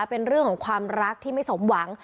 เป็นเรื่องของความรักที่ไม่สมหวัง